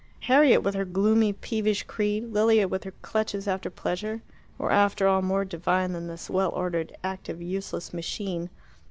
Harriet with her gloomy peevish creed, Lilia with her clutches after pleasure, were after all more divine than this well ordered, active, useless machine.